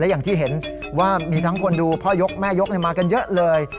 อย่างที่เห็นว่ามีทั้งคนดูพ่อยกแม่ยกมากันเยอะเลย